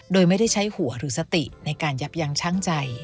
โดยไม่ได้ใช้หัวหรือสติในการยับยั้งช่างใจ